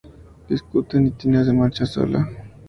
Discuten, y Tina se marcha sola.